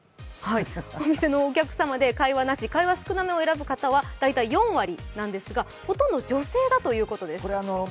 お店のお客様で会話なし、会話少なめを選ぶ方は大体４割なんですが、ほとんど女性だということです。